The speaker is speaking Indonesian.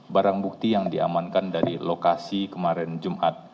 barang bukti yang diamankan dari lokasi kemarin jumat